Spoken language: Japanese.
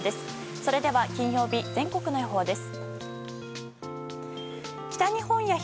それでは金曜日、全国の予報です。